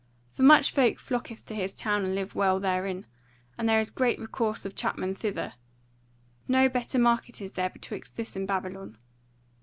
For much folk flocketh to his town and live well therein; and there is great recourse of chapmen thither. No better market is there betwixt this and Babylon.